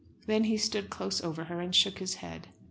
Then he stood close over her, and shook his head.